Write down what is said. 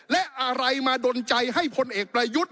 และอะไรมาดนใจให้พลเอกประยุทธ์